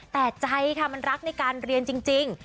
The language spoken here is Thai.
แต่ใจค่ะมันรักในการเรียนจริง